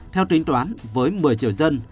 theo tính toán với một mươi triệu dân